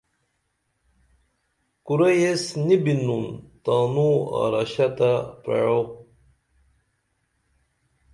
کُرئی ایس نی بِنُن تانو آرشہ تہ پرعو